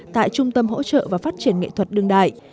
tại trung tâm hỗ trợ và phát triển nghệ thuật đương đại